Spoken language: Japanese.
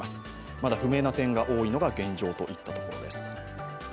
また不明な点が多いのが現状といったところです。